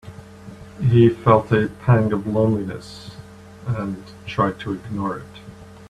He felt a pang of loneliness and tried to ignore it.